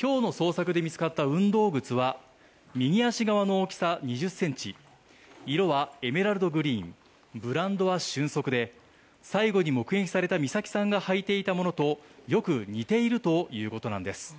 今日の捜索で見つかった運動靴は右足側の大きさ２０ｃｍ色はエメラルドグリーンブランドは「瞬足」で最後に目撃された美咲さんが履いていたものとよく似ているということなんです。